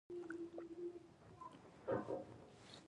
د دوی د غورځنګ د سیند ایالت مشر نور الله ترین،